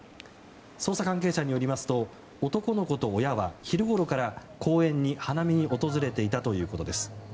捜査関係者によりますと男の子と親は昼ごろから公園に花見に訪れていたということです。